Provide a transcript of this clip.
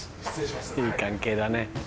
いい関係だね。